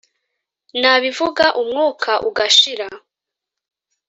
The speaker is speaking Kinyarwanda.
na bivuga umwuka ugashira